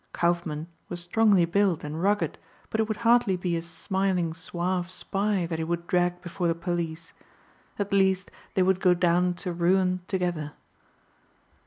Kaufmann was strongly built and rugged but it would hardly be a smiling suave spy that he would drag before the police. At least they would go down to ruin together.